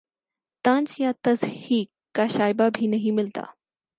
طنز یا تضحیک کا شائبہ بھی نہیں ملتا